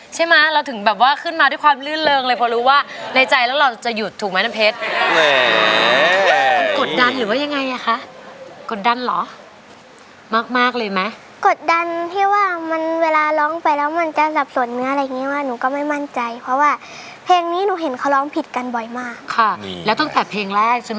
ใช่ไหมเราถึงแบบว่าขึ้นมาที่ความลื่นลึงเลย